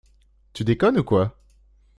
Tu déconnes ou quoi?